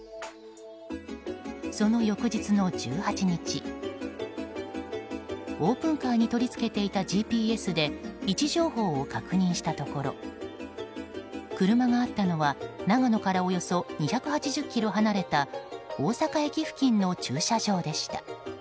その翌日の１８日オープンカーに取り付けていたＧＰＳで位置情報を確認したところ車があったのは長野からおよそ２８０ｋｍ離れた大阪駅付近の駐車場でした。